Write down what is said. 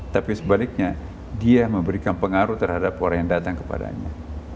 tapi sebaliknya dia memberikan pengaruh terhadap orang yang datang kepadanya